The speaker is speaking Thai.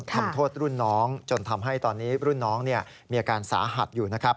ทำโทษรุ่นน้องจนทำให้ตอนนี้รุ่นน้องมีอาการสาหัสอยู่นะครับ